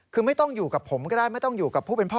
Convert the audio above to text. คือไม่ต้องอยู่กับผมก็ได้ไม่ต้องอยู่กับผู้เป็นพ่อ